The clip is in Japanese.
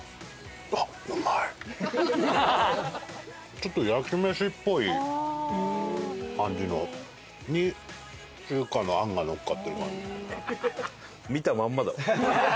ちょっと焼きメシっぽい感じのに中華の餡がのっかってる感じ。